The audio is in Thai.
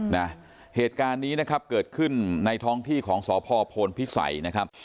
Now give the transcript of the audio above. นะเหตุการณ์นี้นะครับเกิดขึ้นในท้องที่ของสพโพนพิสัยนะครับ